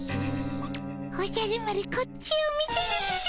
おじゃる丸こっちを見てるっピ。